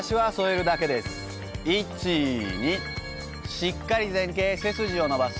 しっかり前傾背筋を伸ばす。